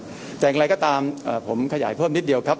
แต่อย่างไรก็ตามผมขยายเพิ่มนิดเดียวครับ